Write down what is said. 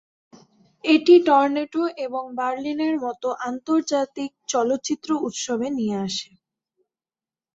এটি টরন্টো এবং বার্লিনের মত আন্তর্জাতিক চলচ্চিত্র উৎসবে নিয়ে আসে।